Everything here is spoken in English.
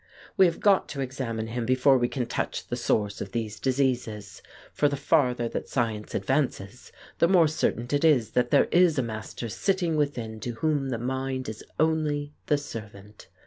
We have got to examine him before we can touch the source of these diseases. For the farther that science advances, the more cer tain it is that there is a master sitting within to whom the mind is only the servant.